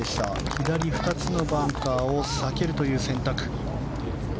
左２つのバンカーを避けるという選択。